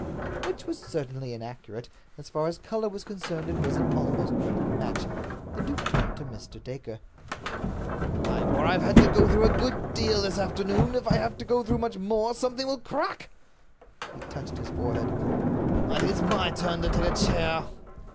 Which was certainly inaccurate. As far as color was concerned it was an almost perfect match. The duke turned to Mr. Dacre. "Ivor, I've had to go through a good deal this afternoon. If I have to go through much more, something will crack!" He touched his forehead. "I think it's my turn to take a chair."